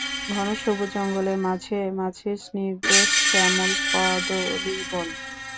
ঘন সবুজ জঙ্গলের মাঝে মাঝে সিনগ্ধ শ্যামল কদলীবন।